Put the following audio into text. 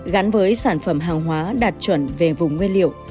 gắn với sản phẩm hàng hóa đạt chuẩn về vùng nguyên liệu